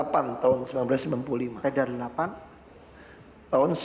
perda delapan tahun seribu sembilan ratus sembilan puluh lima